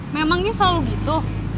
memangnya selalu gitu